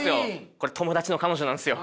これ友達の彼女なんですよ。